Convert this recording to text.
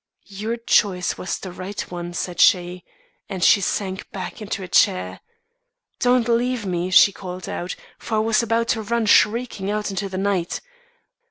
'Your choice was the right one,' said she, and she sank back into a chair. 'Don't leave me!' she called out, for I was about to run shrieking out into the night.